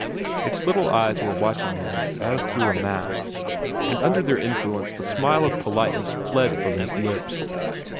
Its little eyes were watching him, as through a mask, and under their influence the smile of politeness fled from his lips.